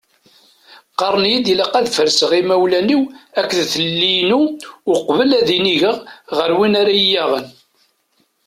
Qqaren-iyi-d ilaq ad farseɣ imawlan-iw akked d tlelli-inu uqbel ad inigeɣ ɣer win ara iyi-yaɣen.